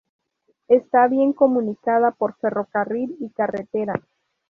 Está bien comunicada por ferrocarril y carretera.